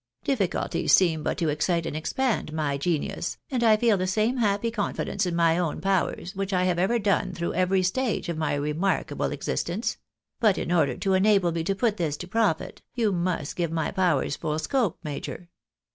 Difficulties seem but to excite and expand my genius, and I feel the same happy confidence in my own powers, which I ever have done through every stage of my remarkable existence ; but in order to enable me to put this to profit, you must give my powers fuU scope, major.